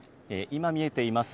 今見えています